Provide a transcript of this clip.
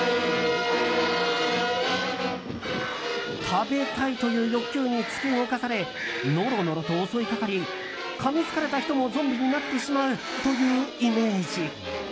食べたいという欲求に突き動かされノロノロと襲いかかりかみつかれた人もゾンビになってしまうというイメージ。